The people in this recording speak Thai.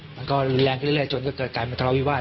มันก็แรงขึ้นเรื่อยจนก็เกิดกลายเป็นธรรมวิวาส